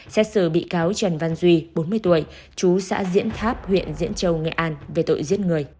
xét xử bị cáo trần văn duy bốn mươi tuổi chú xã diễn tháp huyện diễn châu nghệ an về tội giết người